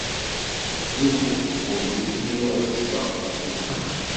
Yoko ur tezmir ad d-tseɣ aselkim.